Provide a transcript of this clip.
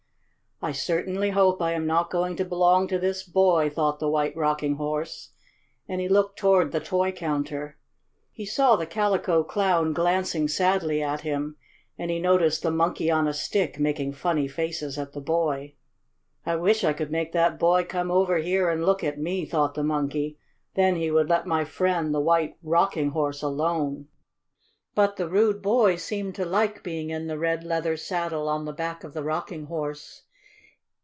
"I certainly hope I am not going to belong to this boy," thought the White Rocking Horse, and he looked toward the toy counter. He saw the Calico Clown glancing sadly at him, and he noticed the Monkey on a Stick making funny faces at the boy. "I wish I could make that boy come over here and look at me," thought the Monkey. "Then he would let my friend, the White Rocking Horse, alone." But the rude boy seemed to like being in the red leather saddle on the back of the Rocking Horse.